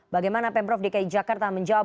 bagaimana pemprov dki jakarta menjawab